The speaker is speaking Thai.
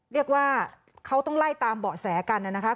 เรียกว่าเขาต้องไล่ตามเบาะแสกันนะคะ